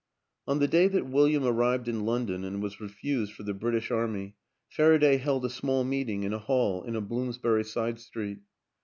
On the day that William arrived in London and was refused for the British Army, Faraday held a small meeting in a hall in a Bloomsbury side street.